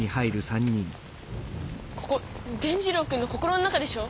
ここ伝じろうくんの心の中でしょ？